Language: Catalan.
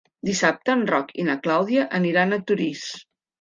Dissabte en Roc i na Clàudia aniran a Torís.